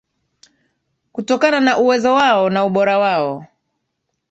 kutokana na uwezo wao na ubora wao